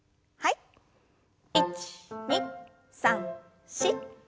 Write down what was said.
１２３４。